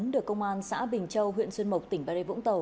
được công an xã bình châu huyện xuyên mộc tỉnh bà rê vũng tàu